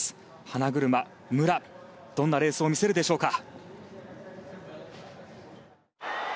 花車、武良、どんなレースを見せるでしょうか。